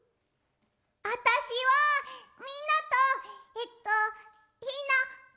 あたしはみんなとえっとひなひなた。